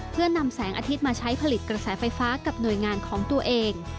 เพื่อนำแสงอาทิตย์มาใช้ผลิตกระแสไฟฟ้ากับหน่วยงานของตัวเอง